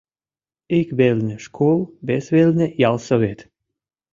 Ик велне — школ, вес велне — ялсовет.